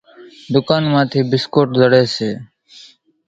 ۮُڪانَ مان ٿِي ڀِسڪوٽ زڙيَ سي۔